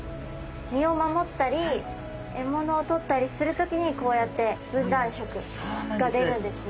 身を守ったり獲物をとったりする時にこうやって分断色が出るんですね。